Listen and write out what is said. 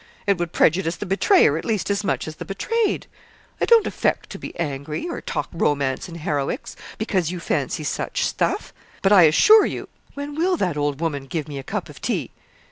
It would prejudice the betrayer at least as much as the betrayed. I don't affect to be angry, or talk romance and heroics, because you fancy such stuff; but I assure you when will that old woman give me a cup of tea?